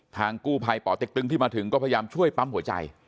ทางกู้ภัยป่อเต็กตึงที่มาถึงก็พยายามช่วยปั๊มหัวใจ